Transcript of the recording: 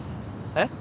えっ？